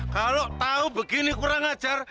kalau tahu begini kurang ajar